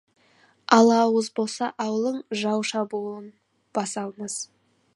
Ала ауыз болса ауылың, жау шабуылын баса алмас.